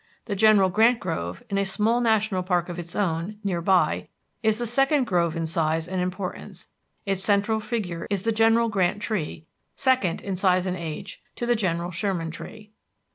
The General Grant Grove, in a small national park of its own, near by, is the second grove in size and importance; its central figure is the General Grant Tree, second in size and age to the General Sherman Tree.